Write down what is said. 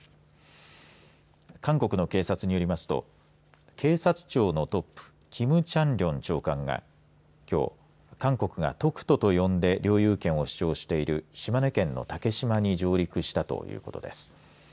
韓国の警察によりますと警察庁のトップキム・チャンリョン長官がきょう、韓国がトクトと呼んで領有権を主張している島根県の竹島に上陸したということです。